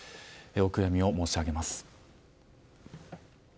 お悔やみを申し上げます。